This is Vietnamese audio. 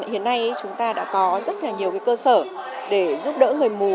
hiện nay chúng ta đã có rất nhiều cơ sở để giúp đỡ người mù